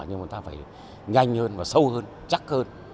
nhưng mà ta phải nhanh hơn và sâu hơn chắc hơn